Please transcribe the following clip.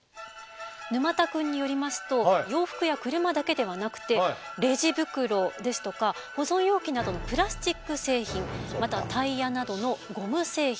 沼田くんによりますと洋服や車だけではなくてレジ袋ですとか保存容器などのプラスチック製品またはタイヤなどのゴム製品